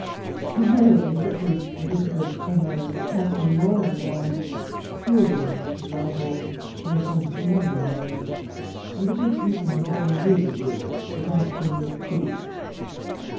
The heroines— at least Elizabeth, Emma, and Catherine Morland— are truly lovable, flesh and blood young women ; and the good people are all really good, with { out Deing goody.